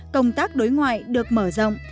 công tác đối ngoại được mở rộng